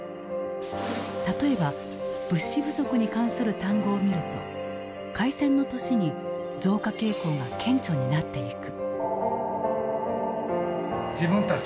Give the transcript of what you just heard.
例えば物資不足に関する単語を見ると開戦の年に増加傾向が顕著になっていく。